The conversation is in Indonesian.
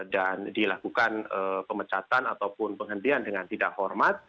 dan dilakukan pemecatan ataupun penghentian dengan tidak hormat